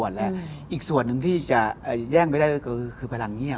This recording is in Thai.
ผลักษณุประชาธิปัตต์ไปให้ก้าวกาย